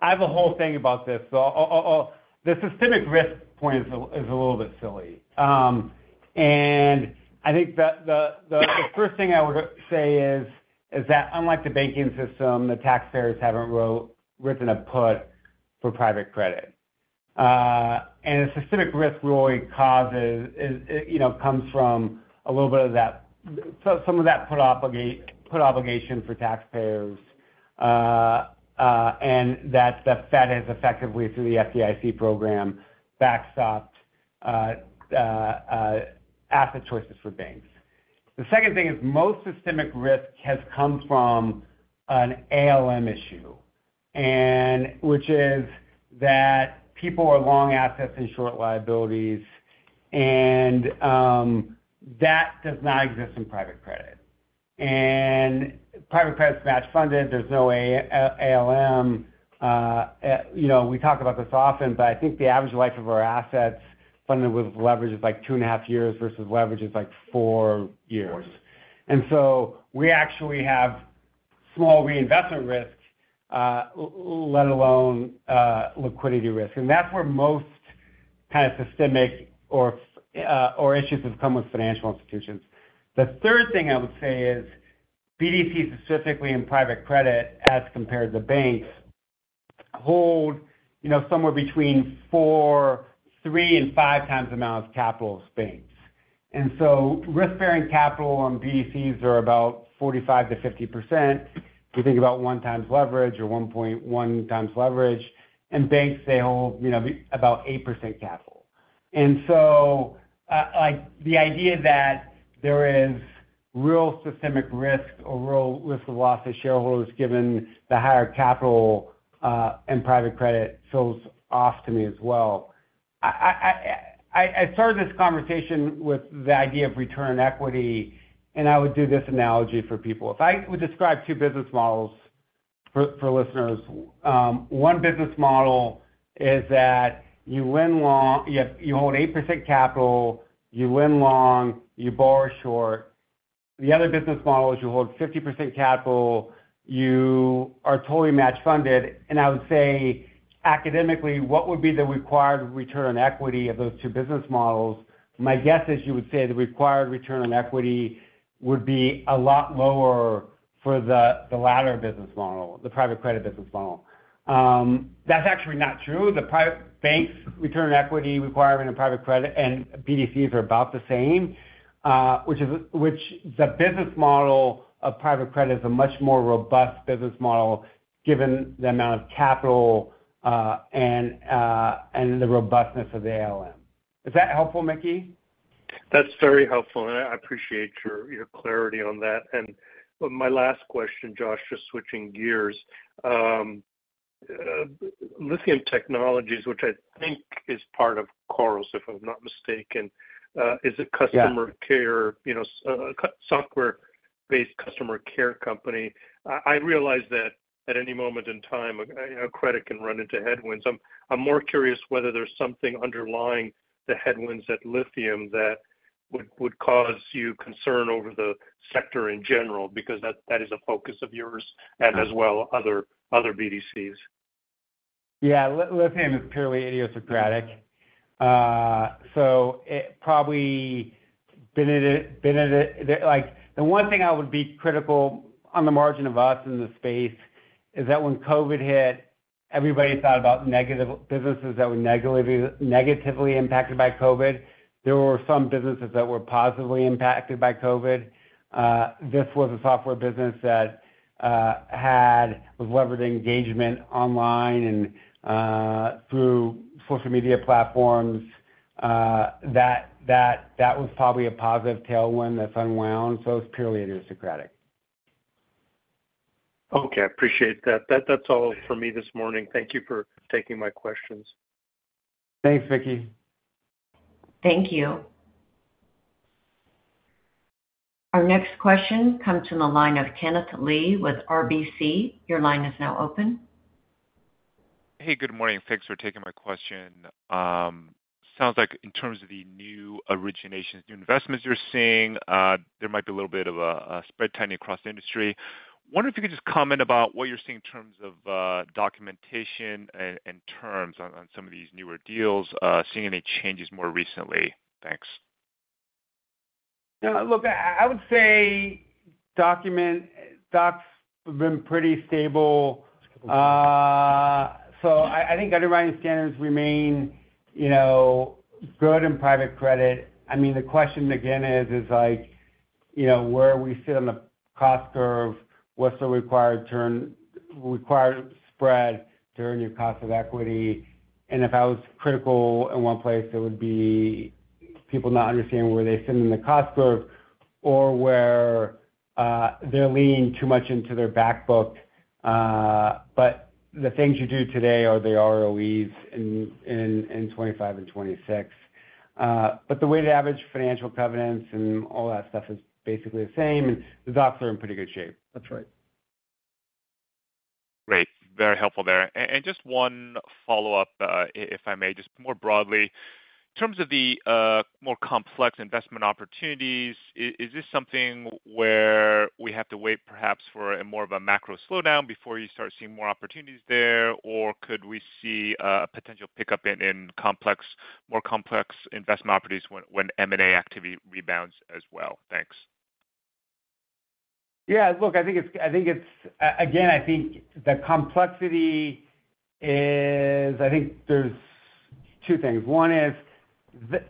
have a whole thing about this. The systemic risk point is a little bit silly. And I think the first thing I would say is that unlike the banking system, the taxpayers haven't written a put for private credit. And the systemic risk really comes from a little bit of that some of that put obligation for taxpayers and that the Fed has effectively, through the FDIC program, backstopped asset choices for banks. The second thing is most systemic risk has come from an ALM issue, which is that people are long assets and short liabilities, and that does not exist in private credit. And private credit's match-funded. There's no ALM. We talk about this often, but I think the average life of our assets funded with leverage is like two and a half years versus leverage is like four years. And so we actually have small reinvestment risk, let alone liquidity risk. And that's where most kind of systemic or issues have come with financial institutions. The third thing I would say is BDCs, specifically in private credit, as compared to banks, hold somewhere between 3 and 5 times the amount of capital of banks. And so risk-bearing capital on BDCs are about 45%-50%. You think about 1x leverage or 1.1x leverage. And banks, they hold about 8% capital. And so the idea that there is real systemic risk or real risk of loss to shareholders given the higher capital and private credit feels off to me as well. I started this conversation with the idea of return on equity, and I would do this analogy for people. If I would describe two business models for listeners, one business model is that you hold 8% capital, you lend long, you borrow short. The other business model is you hold 50% capital, you are totally match-funded. And I would say, academically, what would be the required return on equity of those two business models? My guess is you would say the required return on equity would be a lot lower for the latter business model, the private credit business model. That's actually not true. The private bank's return on equity requirement and private credit and BDCs are about the same, which the business model of private credit is a much more robust business model given the amount of capital and the robustness of the ALM. Is that helpful, Mickey? That's very helpful. And I appreciate your clarity on that. And my last question, Josh, just switching gears. Lithium Technologies, which I think is part of Khoros, if I'm not mistaken, is a customer care software-based customer care company. I realize that at any moment in time, credit can run into headwinds. I'm more curious whether there's something underlying the headwinds at Lithium that would cause you concern over the sector in general because that is a focus of yours and as well other BDCs. Yeah. Lithium is purely idiosyncratic. So it probably been in the one thing I would be critical on the margin of us in the space is that when COVID hit, everybody thought about businesses that were negatively impacted by COVID. There were some businesses that were positively impacted by COVID. This was a software business that was leveraging engagement online and through social media platforms. That was probably a positive tailwind that's unwound. So it's purely idiosyncratic. Okay. I appreciate that. That's all for me this morning. Thank you for taking my questions. Thanks, Mickey. Thank you. Our next question comes from the line of Kenneth Lee with RBC. Your line is now open. Hey, good morning. Thanks for taking my question. Sounds like in terms of the new originations, new investments you're seeing, there might be a little bit of a spread tightening across the industry. Wonder if you could just comment about what you're seeing in terms of documentation and terms on some of these newer deals, seeing any changes more recently? Thanks. Look, I would say documents have been pretty stable. So I think underwriting standards remain good in private credit. I mean, the question again is, where are we sitting on the cost curve? What's the required spread to earn your cost of equity? And if I was critical in one place, it would be people not understanding where they sit in the cost curve or where they're leaning too much into their backbook. But the things you do today are the ROEs in 2025 and 2026. But the weighted average financial covenants and all that stuff is basically the same. And the docs are in pretty good shape. That's right. Great. Very helpful there. Just one follow-up, if I may, just more broadly. In terms of the more complex investment opportunities, is this something where we have to wait perhaps for more of a macro slowdown before you start seeing more opportunities there? Or could we see a potential pickup in more complex investment opportunities when M&A activity rebounds as well? Thanks. Yeah. Look, I think it's again, I think the complexity is I think there's two things. One is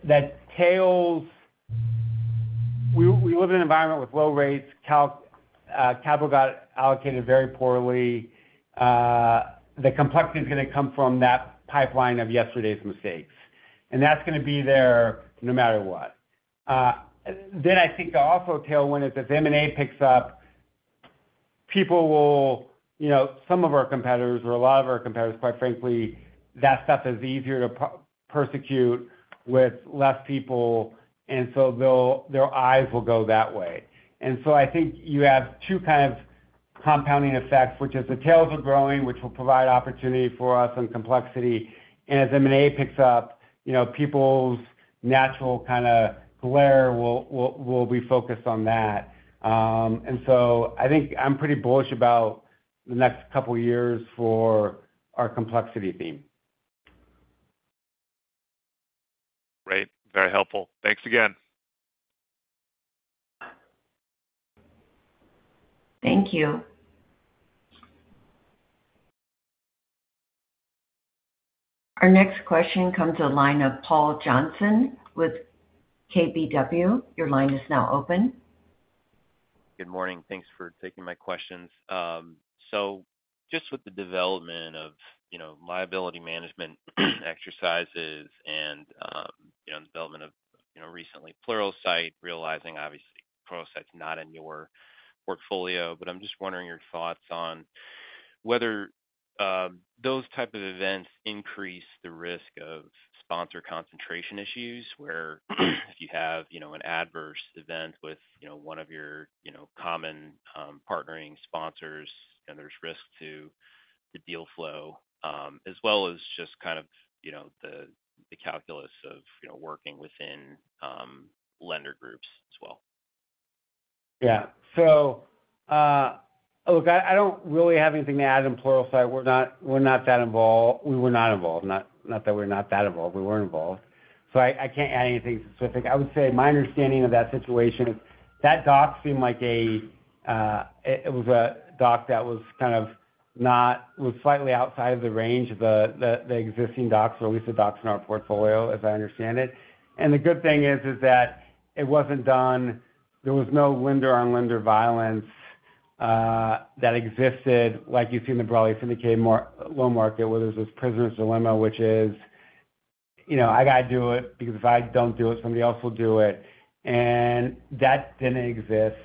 that tails we live in an environment with low rates, capital got allocated very poorly. The complexity is going to come from that pipeline of yesterday's mistakes. And that's going to be there no matter what. Then I think the also tailwind is if M&A picks up, people will some of our competitors or a lot of our competitors, quite frankly, that stuff is easier to pursue with less people. And so their eyes will go that way. And so I think you have two kind of compounding effects, which is the tails are growing, which will provide opportunity for us and complexity. And as M&A picks up, people's natural kind of gaze will be focused on that. I think I'm pretty bullish about the next couple of years for our complexity theme. Great. Very helpful. Thanks again. Thank you. Our next question comes to the line of Paul Johnson with KBW. Your line is now open. Good morning. Thanks for taking my questions. So just with the development of liability management exercises and development of recently Pluralsight, realizing obviously Pluralsight's not in your portfolio, but I'm just wondering your thoughts on whether those types of events increase the risk of sponsor concentration issues where if you have an adverse event with one of your common partnering sponsors, there's risk to the deal flow, as well as just kind of the calculus of working within lender groups as well? Yeah. So look, I don't really have anything to add in Pluralsight. We're not that involved. We were not involved. Not that we're not that involved. We weren't involved. So I can't add anything specific. I would say my understanding of that situation is that doc seemed like it was a doc that was kind of slightly outside of the range of the existing docs, or at least the docs in our portfolio, as I understand it. And the good thing is that it wasn't done. There was no lender-on-lender violence that existed, like you see in the broadly syndicated loan market, where there's this prisoner's dilemma, which is, "I got to do it because if I don't do it, somebody else will do it." And that didn't exist.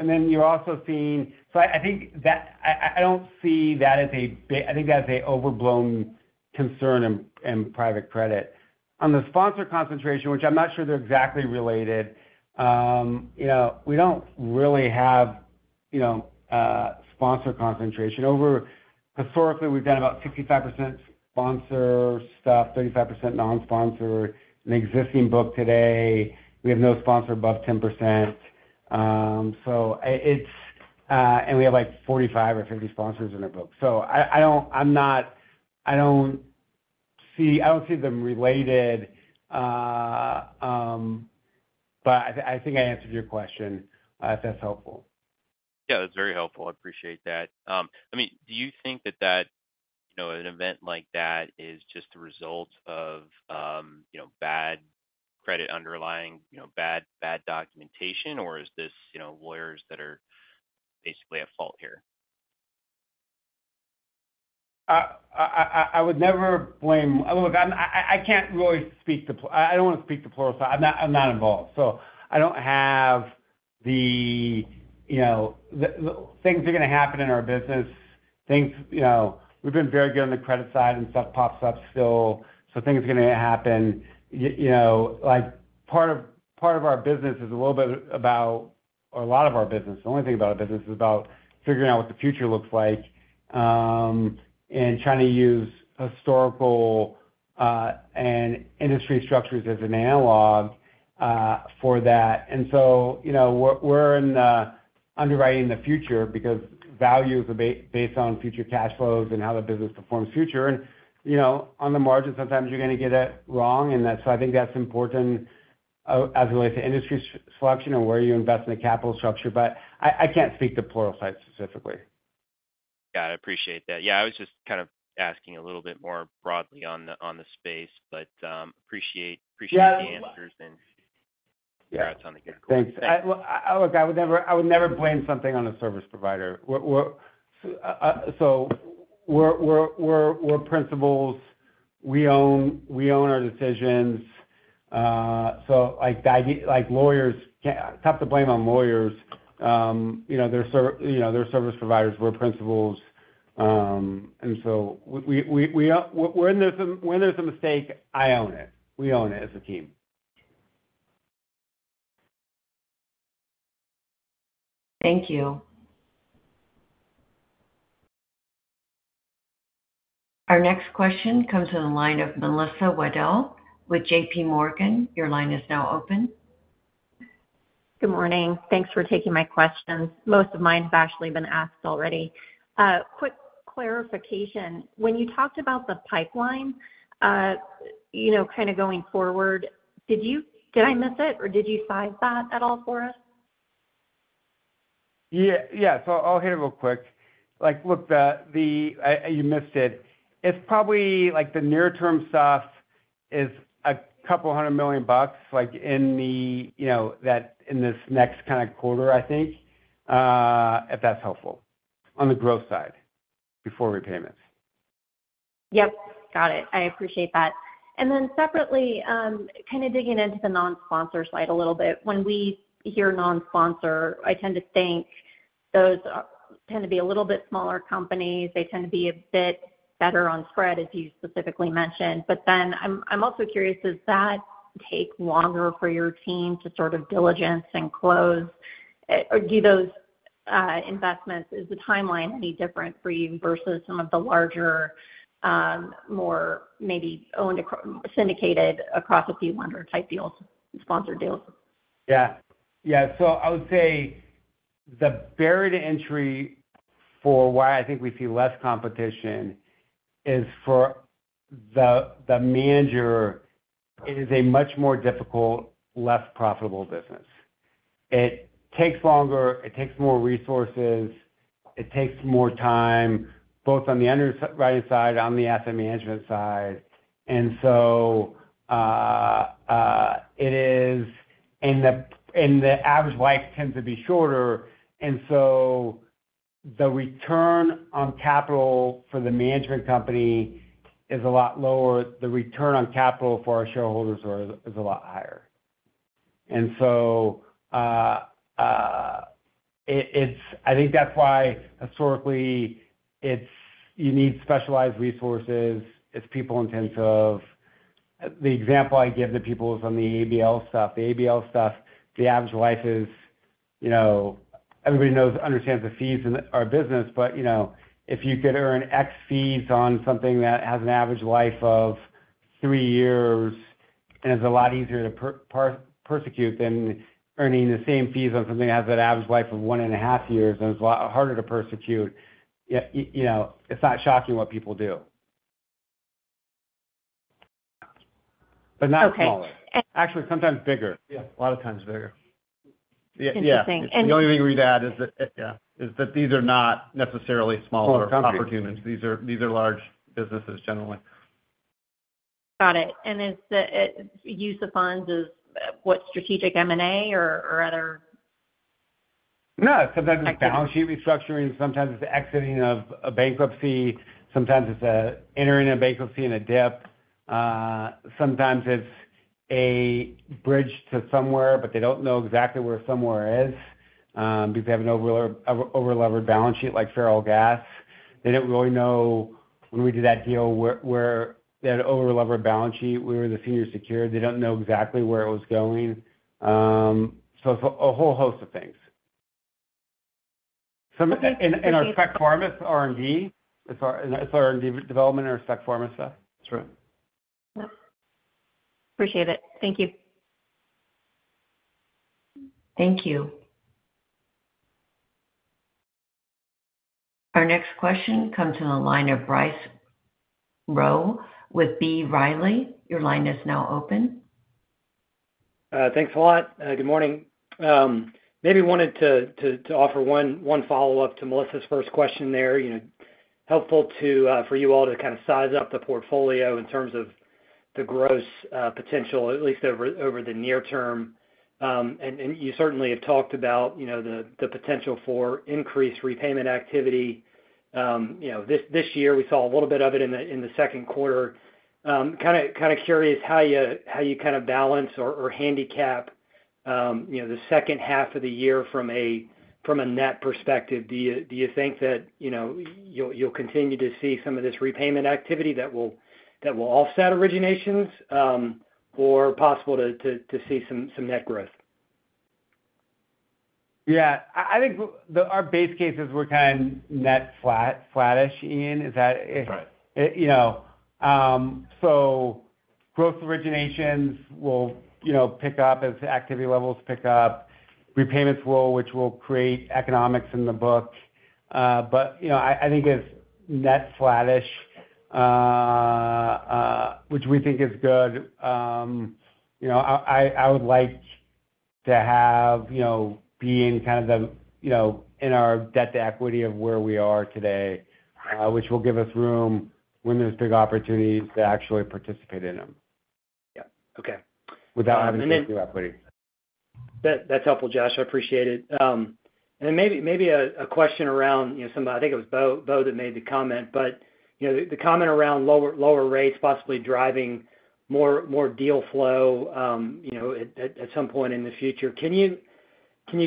And then you're also seeing, so I think that I don't see that as a big. I think that's an overblown concern in private credit. On the sponsor concentration, which I'm not sure they're exactly related, we don't really have sponsor concentration. Historically, we've done about 65% sponsor stuff, 35% non-sponsor in existing book today. We have no sponsor above 10%. And we have like 45 or 50 sponsors in our book. So I'm not. I don't see them related. But I think I answered your question if that's helpful. Yeah. That's very helpful. I appreciate that. I mean, do you think that an event like that is just the result of bad credit underlying bad documentation, or is this lawyers that are basically at fault here? I would never blame look, I can't really speak to. I don't want to speak to Pluralsight. I'm not involved. So I don't have the things are going to happen in our business. We've been very good on the credit side and stuff pops up still. So things are going to happen. Part of our business is a little bit about or a lot of our business, the only thing about our business is about figuring out what the future looks like and trying to use historical and industry structures as an analog for that. And so we're in underwriting the future because value is based on future cash flows and how the business performs future. And on the margin, sometimes you're going to get it wrong. And so I think that's important as it relates to industry selection and where you invest in the capital structure. But I can't speak to Pluralsight specifically. Got it. Appreciate that. Yeah. I was just kind of asking a little bit more broadly on the space, but appreciate the answers and your thoughts on the good question. Yeah. Thanks. Look, I would never blame something on a service provider. So we're principals. We own our decisions. So lawyers can't. It's tough to blame on lawyers. They're service providers. We're principals. And so we're in there if it's a mistake, I own it. We own it as a team. Thank you. Our next question comes to the line of Melissa Wedel with J.P. Morgan. Your line is now open. Good morning. Thanks for taking my questions. Most of mine have actually been asked already. Quick clarification. When you talked about the pipeline, kind of going forward, did I miss it, or did you size that at all for us? Yeah. So I'll hit it real quick. Look, you missed it. It's probably the near-term stuff is $200 million in that in this next kind of quarter, I think, if that's helpful. On the growth side before repayments. Yep. Got it. I appreciate that. And then separately, kind of digging into the non-sponsor side a little bit. When we hear non-sponsor, I tend to think those tend to be a little bit smaller companies. They tend to be a bit better on spread, as you specifically mentioned. But then I'm also curious, does that take longer for your team to sort of diligence and close? Do those investments, is the timeline any different for you versus some of the larger, more maybe syndicated across a few lender-type deals, sponsored deals? Yeah. Yeah. So I would say the barrier to entry for why I think we see less competition is for the manager is a much more difficult, less profitable business. It takes longer. It takes more resources. It takes more time both on the underwriting side, on the asset management side. And so it is and the average life tends to be shorter. And so the return on capital for the management company is a lot lower. The return on capital for our shareholders is a lot higher. And so I think that's why historically you need specialized resources. It's people-intensive. The example I give to people is on the ABL stuff. The ABL stuff, the average life is everybody understands the fees in our business, but if you could earn X fees on something that has an average life of 3 years, and it's a lot easier to prosecute than earning the same fees on something that has an average life of 1.5 years, and it's a lot harder to prosecute. It's not shocking what people do. But not smaller. Actually, sometimes bigger. Yeah. A lot of times bigger. Interesting. And. The only thing we'd add is that these are not necessarily smaller opportunities. These are large businesses generally. Got it. And is the use of funds what, strategic M&A or other? No. Sometimes it's balance sheet restructuring. Sometimes it's exiting of a bankruptcy. Sometimes it's entering a bankruptcy in a DIP. Sometimes it's a bridge to somewhere, but they don't know exactly where somewhere is because they have an overlevered balance sheet like Ferrellgas. They don't really know when we did that deal where they had an overlevered balance sheet. We were the senior secured. They don't know exactly where it was going. So it's a whole host of things. And our Spec Pharma, it's R&D. It's R&D development and our Spec Pharma stuff. That's right. Appreciate it. Thank you. Thank you. Our next question comes to the line of Bryce Rowe with B. Riley. Your line is now open. Thanks a lot. Good morning. Maybe wanted to offer one follow-up to Melissa's first question there. Helpful for you all to kind of size up the portfolio in terms of the gross potential, at least over the near term. You certainly have talked about the potential for increased repayment activity. This year, we saw a little bit of it in the second quarter. Kind of curious how you kind of balance or handicap the second half of the year from a net perspective. Do you think that you'll continue to see some of this repayment activity that will offset originations or possible to see some net growth? Yeah. I think our base cases were kind of net flattish, Ian. Is that? Right. So gross originations will pick up as activity levels pick up. Repayments will, which will create economics in the book. But I think it's net flattish, which we think is good. I would like to have being kind of in our debt-to-equity of where we are today, which will give us room when there's big opportunities to actually participate in them. Yeah. Okay. Without having to do equity. That's helpful, Josh. I appreciate it. Maybe a question around some of I think it was Bo that made the comment, but the comment around lower rates possibly driving more deal flow at some point in the future. Can you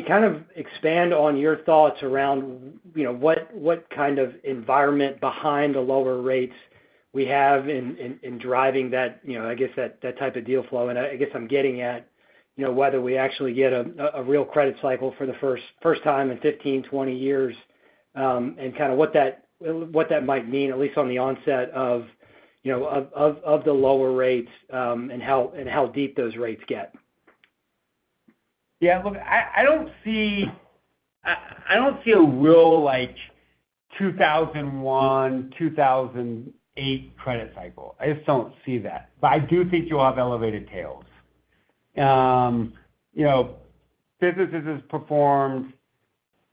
kind of expand on your thoughts around what kind of environment behind the lower rates we have in driving that, I guess, that type of deal flow? And I guess I'm getting at whether we actually get a real credit cycle for the first time in 15, 20 years and kind of what that might mean, at least on the onset of the lower rates and how deep those rates get. Yeah. Look, I don't see a real 2001, 2008 credit cycle. I just don't see that. But I do think you'll have elevated tails. Businesses have performed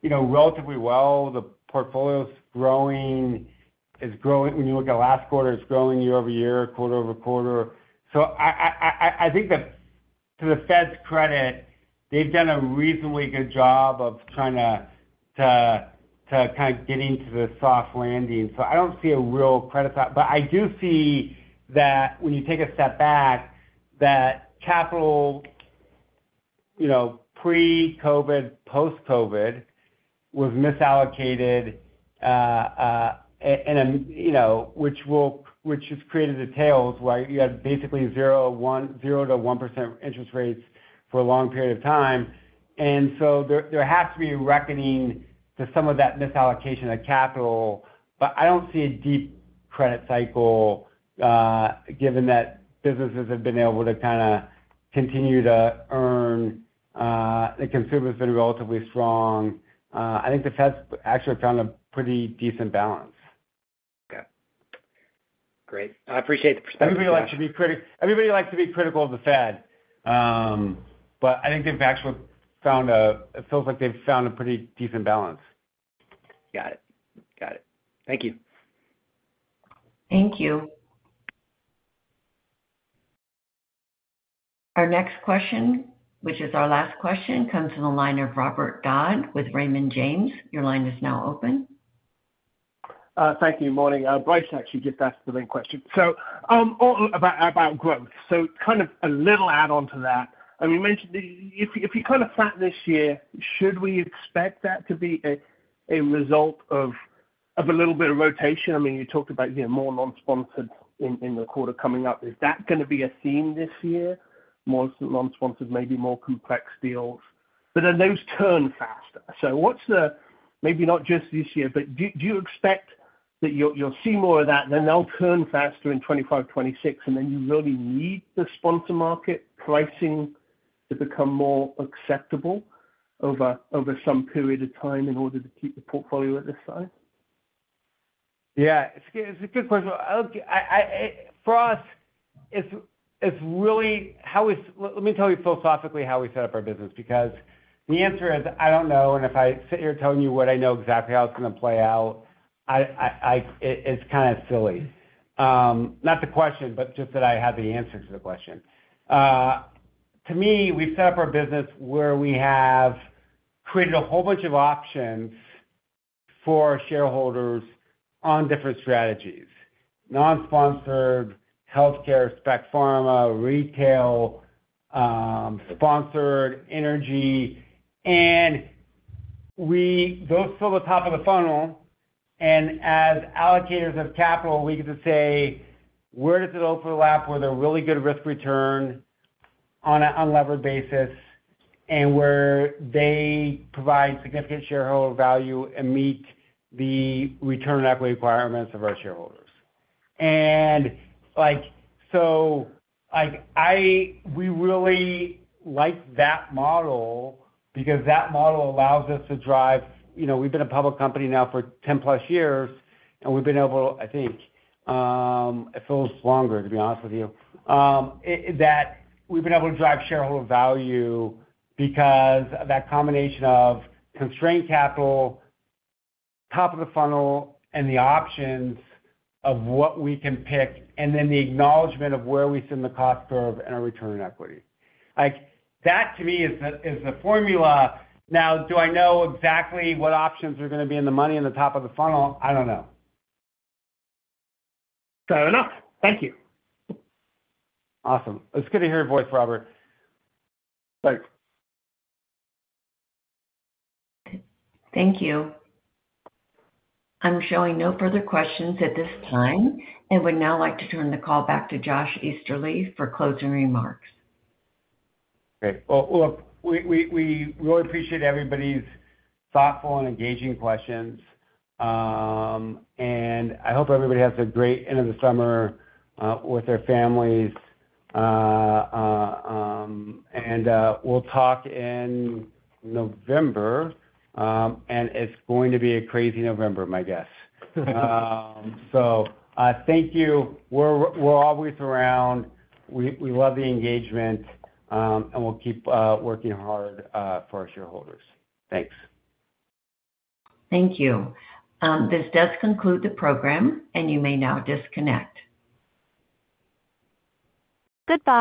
relatively well. The portfolio is growing. When you look at last quarter, it's growing year-over-year, quarter-over-quarter. So I think that to the Fed's credit, they've done a reasonably good job of trying to kind of get into the soft landing. So I don't see a real credit cycle. But I do see that when you take a step back, that capital pre-COVID, post-COVID was misallocated, which has created the tails where you had basically 0%-1% interest rates for a long period of time. And so there has to be a reckoning to some of that misallocation of capital. But I don't see a deep credit cycle given that businesses have been able to kind of continue to earn. The consumer has been relatively strong. I think the Fed's actually found a pretty decent balance. Okay. Great. I appreciate the perspective. Everybody likes to be critical. Everybody likes to be critical of the Fed. But I think they've actually found. It feels like they've found a pretty decent balance. Got it. Got it. Thank you. Thank you. Our next question, which is our last question, comes to the line of Robert Dodd with Raymond James. Your line is now open. Thank you. Morning. Bryce actually just asked the same question. So about growth. So kind of a little add-on to that. I mean, if you kind of flatten this year, should we expect that to be a result of a little bit of rotation? I mean, you talked about more non-sponsored in the quarter coming up. Is that going to be a theme this year? More non-sponsored, maybe more complex deals. But then those turn faster. So what's the maybe not just this year, but do you expect that you'll see more of that? Then they'll turn faster in 2025, 2026, and then you really need the sponsor market pricing to become more acceptable over some period of time in order to keep the portfolio at this size? Yeah. It's a good question. For us, it's really how we let me tell you philosophically how we set up our business because the answer is I don't know. And if I sit here telling you what I know exactly how it's going to play out, it's kind of silly. Not the question, but just that I have the answer to the question. To me, we've set up our business where we have created a whole bunch of options for shareholders on different strategies: non-sponsored, healthcare, Spec Pharma, retail, sponsored, energy. And those fill the top of the funnel. And as allocators of capital, we get to say, "Where does it overlap where they're really good risk return on an unlevered basis and where they provide significant shareholder value and meet the return on equity requirements of our shareholders?" And so we really like that model because that model allows us to drive. We've been a public company now for 10+ years, and we've been able to, I think it feels longer, to be honest with you, that we've been able to drive shareholder value because of that combination of constrained capital, top of the funnel, and the options of what we can pick, and then the acknowledgment of where we sit in the cost curve and our return on equity. That, to me, is the formula. Now, do I know exactly what options are going to be in the money in the top of the funnel? I don't know. Fair enough. Thank you. Awesome. It's good to hear your voice, Robert. Thanks. Thank you. I'm showing no further questions at this time. I would now like to turn the call back to Josh Easterly for closing remarks. Great. Well, look, we really appreciate everybody's thoughtful and engaging questions. I hope everybody has a great end of the summer with their families. We'll talk in November, and it's going to be a crazy November, my guess. So thank you. We're always around. We love the engagement, and we'll keep working hard for our shareholders. Thanks. Thank you. This does conclude the program, and you may now disconnect. Goodbye.